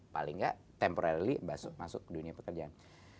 paling gak temporarily masuk ke dunia pekerjaan